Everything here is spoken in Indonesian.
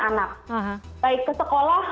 anak baik ke sekolah